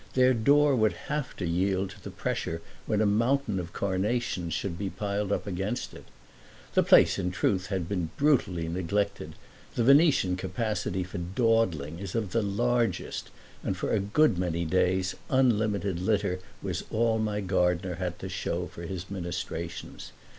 Their door would have to yield to the pressure when a mountain of carnations should be piled up against it. The place in truth had been brutally neglected. The Venetian capacity for dawdling is of the largest, and for a good many days unlimited litter was all my gardener had to show for his ministrations.